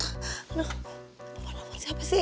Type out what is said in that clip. papa nelfon siapa sih